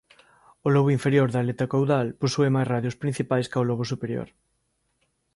O lobo inferior da aleta caudal posúe máis radios principais que o lobo superior.